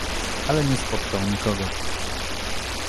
"Ale nie spotkał nikogo."